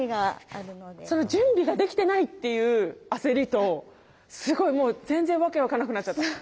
その準備ができてないっていう焦りとすごいもう全然訳分かんなくなっちゃった！